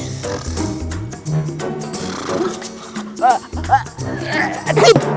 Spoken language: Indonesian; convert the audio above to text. ibu dianjur di wartaum marke